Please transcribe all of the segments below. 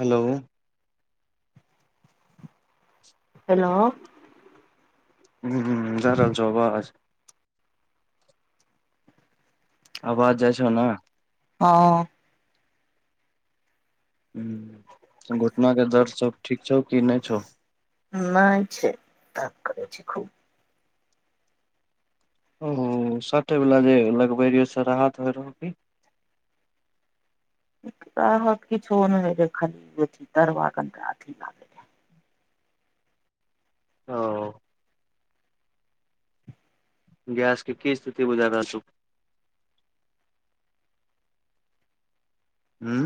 Hello. Hello. हूॅं हूॅं जा रहल छौ अबाज? आबाज जाइ छौ ने? हँ। हूॅं घुटना के दर्द सब ठीक छौ कि नै छौ? नै छै दर्द करै छै खूब। ओ सटै बला जे लगबै रहियै से राहत होइ रहौ कि? बत कि छो ख तरथ ल। [inaudible] ओ। गैस के की स्थिति बुझा रहल छौ? उं।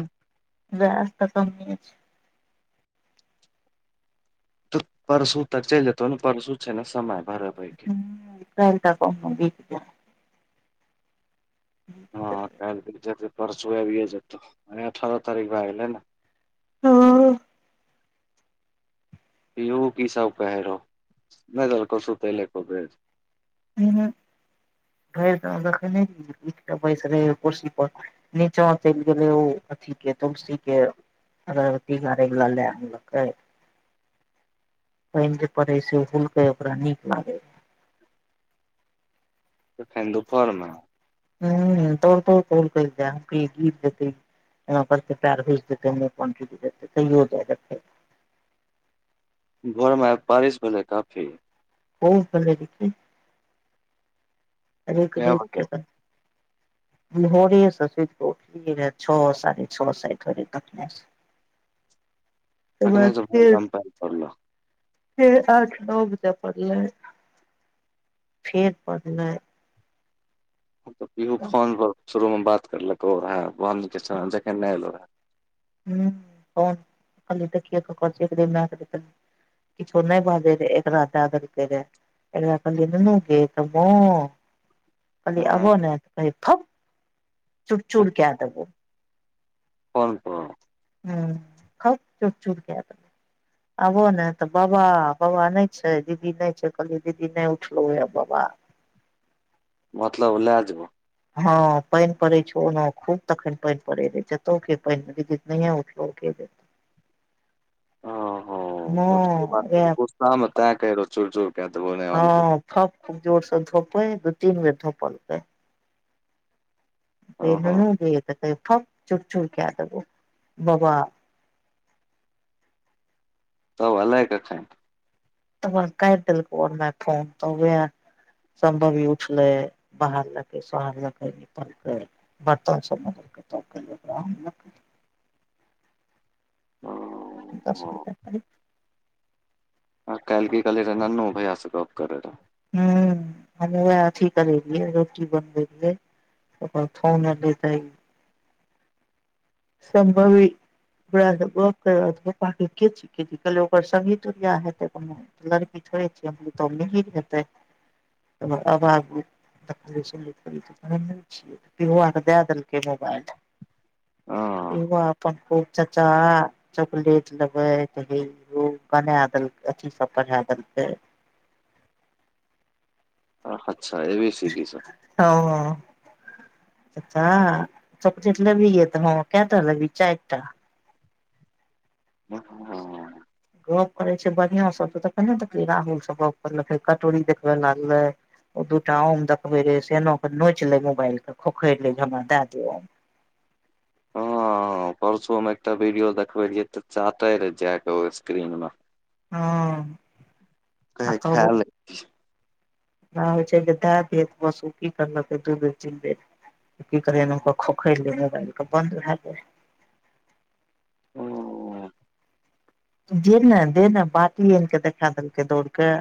वेएस तऽ कम नहिये छै। तऽ परसू तक चलि जेतौ ने परसू छै ने समय भरब। ह त कही। [inaudible] हँ जाय काल्हि तक परसू आबियेए जेतौ आइ अठारह तारीक भेए गेलै ने। हँ। इहो की सब कहै रहौ नै देलकौ सुतैले एको बेड। ह भ त [unintelligible] देखै नहि उइठ के बैस रहै। कुर्सी पर नीचा चैल गेलै ओ अथी के तुलसी के। अगरबत्ती गारै बला लेए अनलकै। पाइन जे पड़ै से हुलकै ओकरा नीक लागै। कखैन दुपहर मे? हू तोड़ तोड़ तोड़ त जाय क गीत। एना करत पयर हो जेतै नहि क्वानटट जेतै तैयो जा देतै। भोरमे बारिश भेलै काफी। ओ भल देखी र कै बजे र। भ रह छओ साढ़े छओ साोड़े कने। [inaudible] त तखने बाद से भरि फेर दम पानि पड़लौ फर आठ नओ बजे पड़ले। फेर बढ़लइ तऽ फोन पर शुरूमे बात करलकौ रहऽ बीक जखन नहि एलौ रहऽ। ह कहन की ती क क की। किछो नहि बाजै रह एक राजा दके रहे ए क द ककबो कहली अबो ने कह भक चुड़ चुड़ क देबो कोन को ह ख चूप चूप क त आबो ने तऽ बाबा बाबा नहि छै दीदी नहि छै कहलियै दीदी नहि उठलो ये बाबा मतलब लए जेबो हँ पानि पड़े छ ओ खूब तखन पानि पड़े रहे जतो के पानिद उल ह जेतै ह माँ बात वैह गोस्सामे त कह चूर चूर क देबो नहि आनबही हँ फप खू जोर से धोपै दू तीन बेर धोपलै ओहो नू जे तऽ कह फप चु चूड़ क देबो बाबा सब अलै कखइ तबका दिलकोर फोन तऽ सम्भव ईी उठले बाहर लक सोहर लक निपलक बर्तन सम हूँ दस रुपआ करीब काइल की कहली रहे ननू भैया स गप करै रह ह हमे वएह अथी करै रहियै रोटी बनबे रहियै त फोन एले तै सम्भवी- ओकर सी दुनिया हेतैनो र पीछो तऽ ही हेतै अब छै ओआके दए देलकै मोबाइल हँ यो अपन खु चचा चॉकलेट लेबै ते बना देलकै अथी सब पढ़ा देलकै अच्छा एबी सीडीसँ ह ह ता चॉोकलेट लेबह ये तऽ हँ कटा लेबही चारि टा [unintelligible] गप करे छै बढ़ियां सब त तख देख राहुल सब गप करल कटोरी देखबे लागलै ओ दूटा आम देखबे रे से एन के नोचि ले मोबाइल के खोखरि ले जे हमरा दए देिय आम हँ ह परसू मे एकटा वीडियो देखबे रियए तऽ चट जा के स्क्रीन मे हँ आ क तब ख्यल होइ छै जे दए देत बस ओ की करलकै दू दे चिल देर की करेक खोखरि ले मोबाइलके बन्द भए गेल ओ जे ने दे ने बाटी आनि क देखा देलकै दौड़के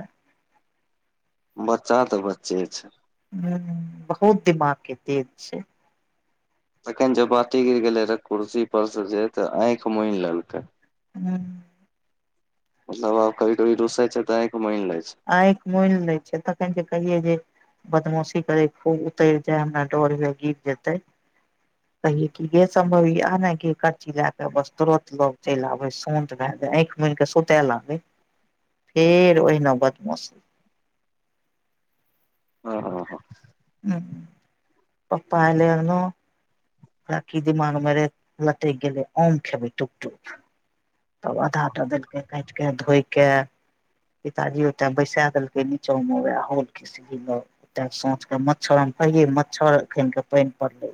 बच्चा तऽ बच्चे छै। हूँ बहुत दिमाग के तेज छै। तखन जब बाटी गिर गेले रहे कुर्सी परस जे ते आँखि मुनि लेलकै हूँ मतलब आब कभी कभी रुसै छै तऽ अइख मुइन लै छै आँखि मोनि लै छै तखन जे कहिै जे बदमाशी करे खूब उतरि जाय हमरा डर हुए गिर जेते [unintelligible] कहिये कि गे सम्भव य आ ने ग करची लए क बस तुरंत लोग चलि आबय शत भए जाय आँखि मन के सुत लबे फेर ओहिना बदमाश ह हँ ह ह प पलन राकीदि म मरे हलात ग गेल म खेब ुकटुक तब आधा टा देलकै काटि के धोइ क- पिताजी ओते बैसा देलकै नीचों वएह होल के सोच के मच्छर कहि मच्छरन के पानि पड़ले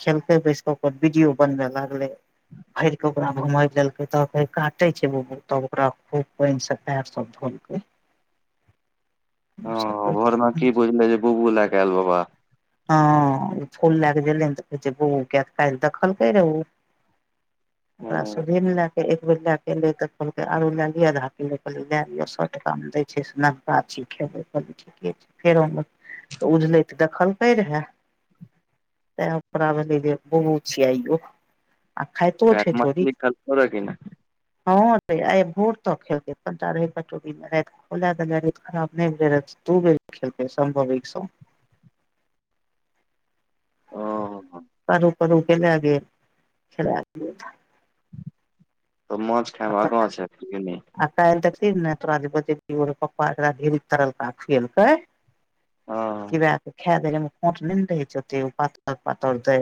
खेलक बैसक को वीडियो बनबे लागल भर के ओकरा घुम लेलेलकै ते काटे छै तब ओकरा खूब पानि से पयर सब धोल ह घरमे हँ की बुझले जे बूबू लए क आयल बाबा हँ ओ फूल लए के गेले तऽ कह छै बौ तऽ काल्हि देखलकै रहे ओ ओरा हँ सुधी ने लत एक बेर ल कऽ एलै तऽ कहलकै आरू लए लिअ आधा किलो कहलियै लए लिअ सए टकामे दै छै से न गाछी खेबै कह ठीके छै फेरो तऽ उजलै देखल कै रह तैपर आ ल ब छ आइयो आखाय तो काल्हि छै ोरी मछली खेलको रहे कि ने हँ र आ भोर तऽ खेलतटा रहटोरी मे रह ओला त खराब नहिर तू बे खत सम्भव ओ ह पररू कररू के लए ग ल तऽ मज खाय भ कं बुझ आ का तऽ ती ब प्पाीतारलकीलै ह क खे देमे खोट न छै त पातर पथर दे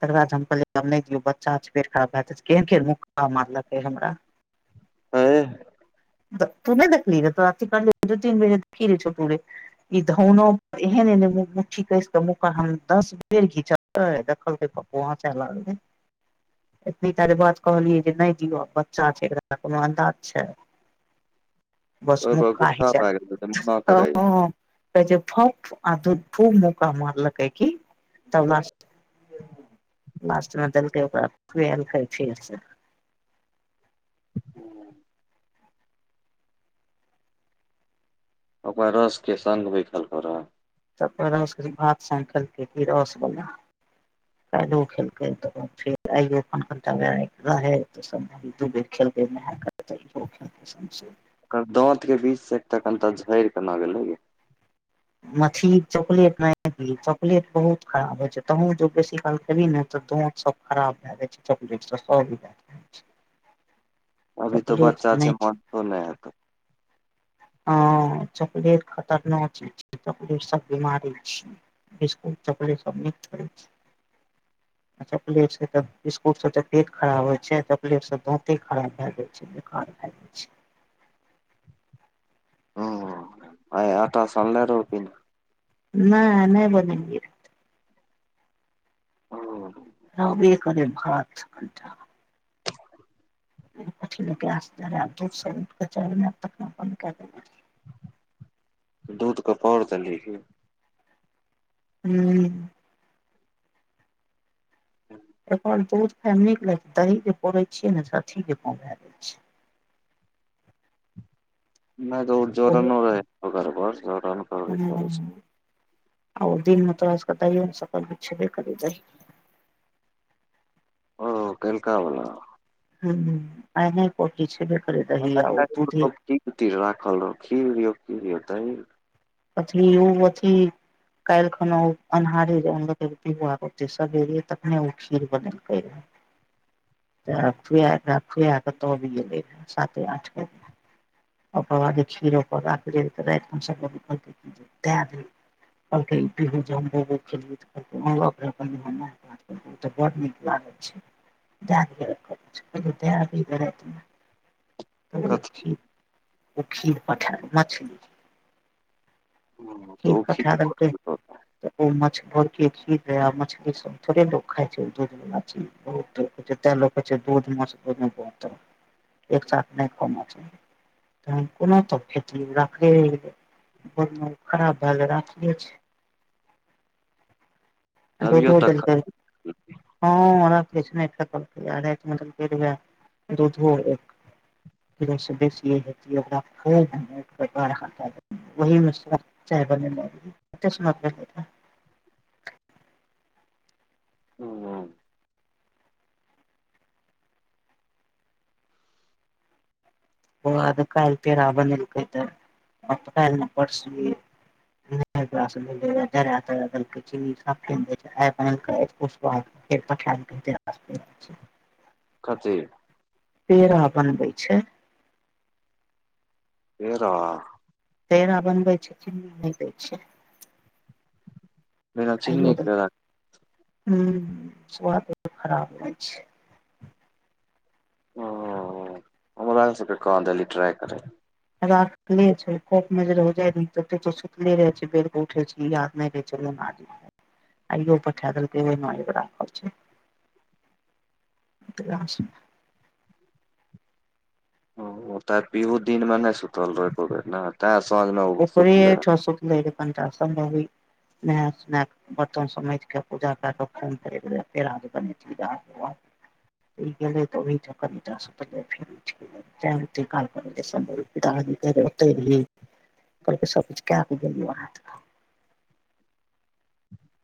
तकर बाद हम कहल दियौ बच्चा पेट खराब भएत के केरा मारलकै हमरा आँ तू नहि देखली रहै तो आति क दू तीन बजे देखी रहै छो पूे ई धौनो पर एहन ए मुठी क मुह क हम द र देखल चै एतनी तारे बात कहलियै जे नहि जिय बच्चा छैरामानदार अच्छा बस ओहि मुख पर कह गुस्सा छै। भए गेल जे मना करे क फ अध भू मुका मारल कै की त [inaudible] लासटमे दलके ओकरा खै छीिय हू ओककर रस के सग भी खलको रह त रस भात सानि खेलकै कि रसवला क्ो खेलकै तऽ फेर आइयटा तू बेर खेलत करत खत समझ ओ दात के बीच से एक त कनि झड़ के न गेलै मी चॉकलेट नहि चॉकलेट बहुत खराब होइ छै तँ जो बेसी काल करी ने त तो सब खराब भए जाइ छै चकलेट सब भ अभी तो बच्चा नहि छै ठीक, मन तो नहि त ह चॉकलेट खतरना चीज छ चकलेट सब बमारी छिय बिसकुट चकलट सब न च [inaudible] चपलेट से त बिस्कुट से च पेट खराब होय छै चपलेट से दांते खराब भय जाय छै। बेकार भए जाइ छै। ह आ आटा सलल रहो प ने नहि नहि बोलंगे ह रहबे करै भात कनिटा ह [unintelligible] क लू त अपन [unintelligible] दूध कपौड़ त लि हू ठीक [inaudible] एकर दू फैमी के ल दही के पौड़े छियै नेथी के नहि त उ जर न रहै घर घर जर [unintelligible] ह आर दिन म तक दइ स बिछ बाद दइ ओ कईलकावला ह आने पखी छै बे कर दही आ दूध कीकटीर रखल रह खेलौ की हेतै। अथी उ अथी काल्हि खन ओ अन्हारे आते सवेरे तखने खीर बनेलकैे [inaudible] तऽ खुआकऽ खुआकेऽ तब एै साते आठके दिन अधे कीर ओप दे दे [unintelligible] कलक हम [unintelligible] ओ तऽ बड़ नीक लागत छै। जा त भ [unintelligible] कथी तीर ओ खीर पठइ मछली तऽ खीर ओ पठा देलकै तऽ ओ मछ भर के खीर मछली सब थोड़े लोको खाइ छै दुध में अच्छा बहुत लोक कहै छै दूध माछ दूध बहुत- एक साथ नै खौ मछली तऽ कोनो तऽ खेती राखेय? खराब बला राखले छै। अभियो दधो तक देलकै। हँ ओ कृष्णे फेकलकै या रैतमे दुधे -दुधो एक। [unintelligible] [unintelligible] ओही मे छेल्ला चाय बनेने एते सुन्दर- हूँ हूँ। हमरा तऽ कैल पेड़ा बनैलकै तऽ अपना परसुए। [unintelligible] [unintelligible] [unintelligible] खेए [unintelligible] कथि? पेड़ा बनबै छै। पेड़ा पैड़ा बनबै छै चिनी नै दै छै। बिना आइयो चीन्नी के तो पेड़ा हुँ स्वाद मे खराब लगै छै। ओ हम सबके कह देली ट्राइ करै। राखले छै [unintelligible] सुतले रहे छै बेर उठे छै याद नै रहे। आइयो पठा देलके। [unintelligible] [inaudible] ओ ओ तऽ पीहुू दिनमे नै सुतल रहै एको बेर ने तैँ साँझमे ओ सुतलै रहै? नै रे पंटा [unintelligible] नहेब-सोनेब। बर्तन सब मैज के पूजा केए के फोन करैत रहे पेड़ा। गेलेै तऽ ओहि चक्कर सुतले फेर उठ गेलै। तऽ ओ काल्पन [unintelligible] दतै कहलियै सब किछ केए देबै बौआ हाथ कऽ।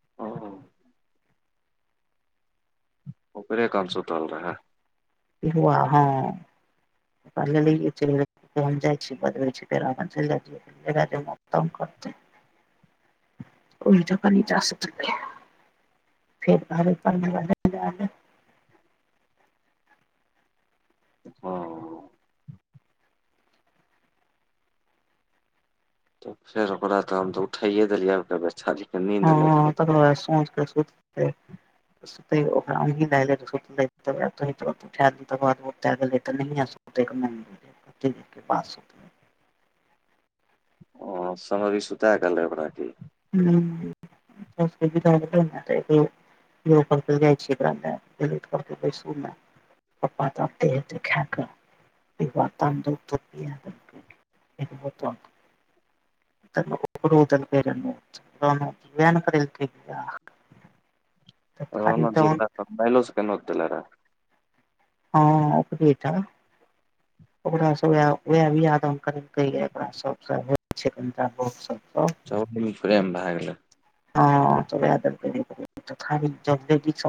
रहे ओपे कंसूटल रहै। हुआ हँ। [unintelligible] पहुँच जाइ छै बदलै छी फेर ओ अपन चैल जाय छै। [unintelligible] तंग करतै। ओहि जगह निचा सुतबै। फेर [unintelligible] हँ। तऽ फेर ओकरा तऽ हम तऽ उठाइये देलियै आब [unintelligible] छाली कनी- हँ तकर बाद सांझ के सुततै। [unintelligible] उठा देबै तकरबाद नैहे सुतते। ओतेक मम्मी कतेक के पास सुततै। ओ समरी सुूता गेल रहै कीै ओकरा की। [unintelligible] यौ करतै जाय छी [unintelligible] पप्पा तऽ आते हेतेै खेए कऽ फेर बर्तन धोतै के? एगो बर्तन- तकर र उदल फेर उहे नै करैल काया। हॅं अनंत जी तहन कका काइल्हो सके नोत देने रहथि। हँ ओकरे टा ओकरा से वेए- वेएह बियाह-दान करा सब हो छै सब सब [inaudible] चौक मे प्रेम भेए गेलै। हॅं त वेएह देलकै धीयो- पुतो के [unintelligible]